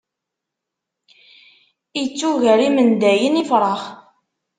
Ittuger imendayen ifrax.